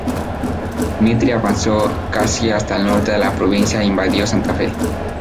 Mitre avanzó casi hasta el norte de su provincia e invadió Santa Fe.